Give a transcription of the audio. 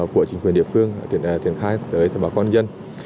của chính quyền địa phương triển khai tới bà con dân